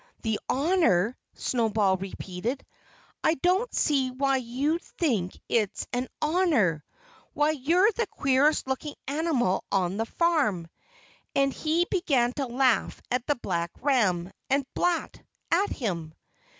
"The honor!" Snowball repeated. "I don't see why you think it's an honor. Why, you're the queerest looking animal on the farm." And he began to laugh at the black ram, and blat at him.